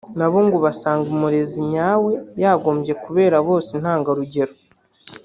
na bo ngo basanga umurezi nyawe yagombye kubera bose intangarugero